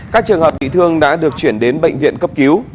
các trường hợp bị thương đã được chuyển đến bệnh viện cấp cứu